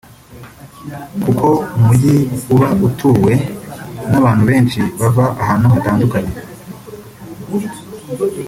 kuko umujyi uba utuwe n’abantu benshi bava ahantu hatandukanye